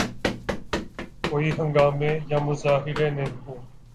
کوئی ہنگامے یا مظاہرے نہیں ہوئے۔